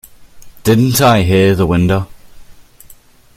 Didn't I hear the window?